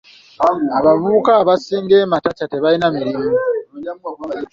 Abavubuka abasinga e Matacha tebalina mirimu.